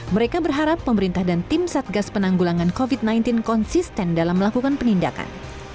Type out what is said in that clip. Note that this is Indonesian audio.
mereka berharap pemerintah dan tim satgas penanggulangan covid sembilan belas konsisten dalam melakukan penindakan